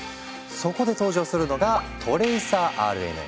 そこで登場するのが「トレイサーＲＮＡ」。